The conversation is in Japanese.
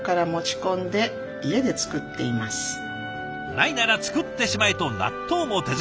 ないなら作ってしまえと納豆も手作り。